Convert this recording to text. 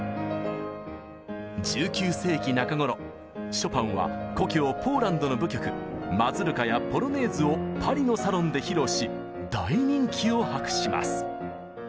ショパンは故郷ポーランドの舞曲マズルカやポロネーズをパリのサロンで披露し大人気を博します。